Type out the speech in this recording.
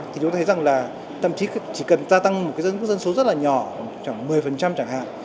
thì chúng tôi thấy rằng là tầm chí chỉ cần gia tăng một dân số rất là nhỏ chẳng hạn một mươi